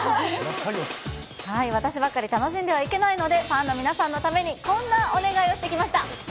私ばっかり楽しんではいけないので、ファンの皆さんのために、こんなお願いをしてきました。